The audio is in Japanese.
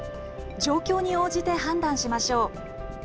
状況に応じて判断しましょう。